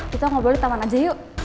kita ngobrol di taman aja yuk